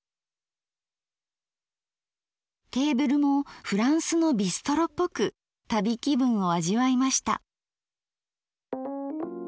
テーブルもフランスのビストロっぽく旅気分を味わいました。